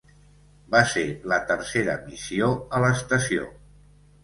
Va ser la tercera missió a l'estació.